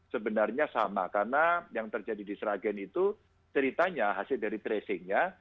sebenarnya sama karena yang terjadi di sragen itu ceritanya hasil dari tracingnya